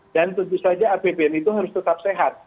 tentu saja apbn itu harus tetap sehat